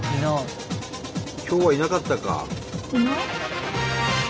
今日はいなかったか。